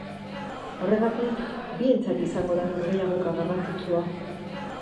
Horregatik, bientzat izango da norgehiagoka garrantzitsua.